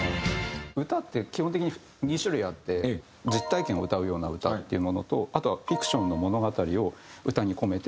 歌って基本的に２種類あって実体験を歌うような歌っていうものとあとはフィクションの物語を歌に込めて歌うもの。